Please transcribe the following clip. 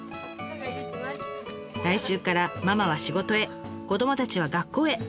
来週からママは仕事へ子どもたちは学校へ。